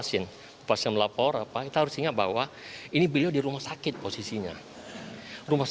ini kepentingan umum